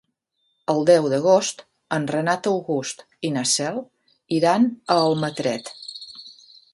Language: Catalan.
El deu d'agost en Renat August i na Cel iran a Almatret.